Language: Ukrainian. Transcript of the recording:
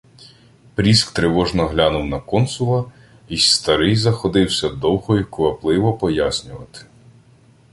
Пріск тривожно глянув на консула, й старий заходився довго й квапливо пояснювати: